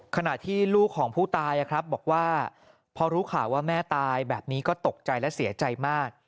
ขณะที่ลูกของผู้ตายบอกว่าพอรู้ข่าวว่าแม่ตายแบบนี้ก็ตกใจและเสียใจมาก